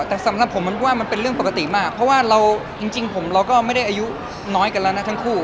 แต่สำหรับผมมันว่ามันเป็นเรื่องปกติมากเพราะว่าเราจริงผมเราก็ไม่ได้อายุน้อยกันแล้วนะทั้งคู่